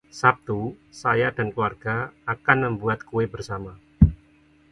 Sabtu, saya dan keluarga akan membuat kue bersama.